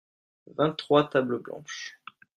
vingt trois tables blanches.